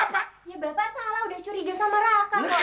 ya bapak salah udah curiga sama raka kok